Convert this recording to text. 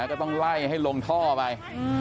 ก็ต้องไล่ให้ลงท่อไป